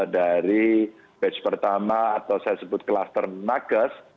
dari batch pertama atau saya sebut cluster magas